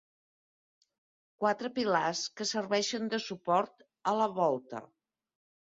Quatre pilars que serveixen de suport a la volta.